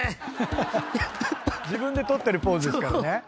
自分で取ってるポーズですからね。